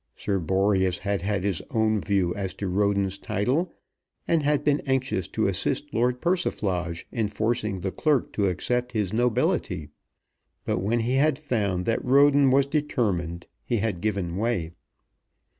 Sir Boreas had had his own view as to Roden's title, and had been anxious to assist Lord Persiflage in forcing the clerk to accept his nobility. But when he had found that Roden was determined, he had given way.